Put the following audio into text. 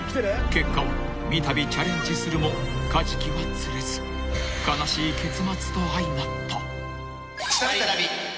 ［結果はみたびチャレンジするもカジキは釣れず悲しい結末と相成った］